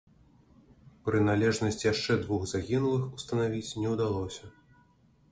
Прыналежнасць яшчэ двух загінулых устанавіць не ўдалося.